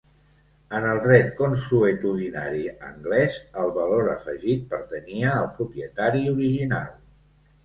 En el dret consuetudinari anglès, el valor afegit pertanyia al propietari original.